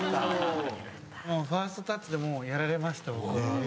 ファーストタッチでやられました僕は。